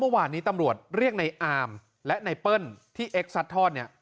เมื่อวานนี้ตำรวจเรียกในอามและไนเปิ้ลที่เอ็กซัดทอดเนี่ย